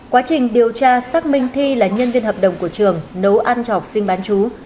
quá trình điều tra xác minh thi là nhân viên hợp đồng của trường nấu ăn cho học sinh bán chú